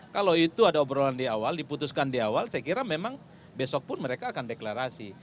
kalau itu ada obrolan di awal diputuskan di awal saya kira memang besok pun mereka akan deklarasi